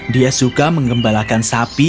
dia suka mengembalakan sapi